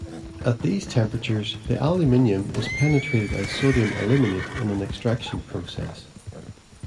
At these temperatures, the aluminium is penetrated as sodium aluminate in an extraction process.